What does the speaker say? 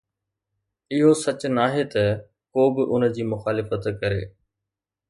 اهو سچ ناهي ته ڪو به ان جي مخالفت ڪري